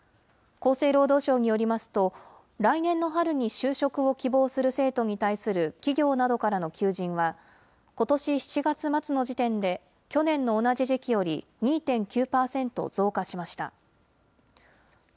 厚生労働省によりますと、来年の春に就職を希望する生徒に対する企業などからの求人は、ことし７月末の時点で、去年の同じ時期より２．９％増加しました。